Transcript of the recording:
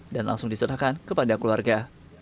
dan langsung diserahkan kepada keluarga